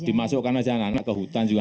dimasukkan aja anak anak ke hutan juga